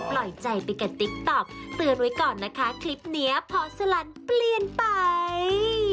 ปล่อยใจไปกันติ๊กต๊อกเตือนไว้ก่อนนะคะคลิปนี้พอสลันเปลี่ยนไป